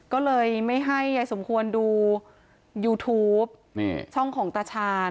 ก็เลยไม่ให้ยายสมควรดูยูทูปช่องของตาชาญ